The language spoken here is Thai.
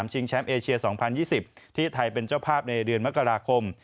แชมป์เอเชีย๒๐๒๐ที่ไทยเป็นเจ้าภาพในเดือนมกราคม